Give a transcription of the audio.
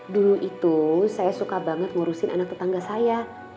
dulu itu saya suka banget ngurusin anak tetangga saya